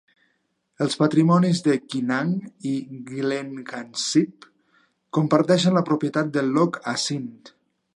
Els patrimonis de Quinag i Glencanisp comparteixen la propietat de Loch Assynt.